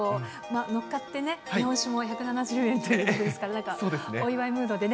乗っかってね、日本酒も１７０円ということですから、お祝いムードでね。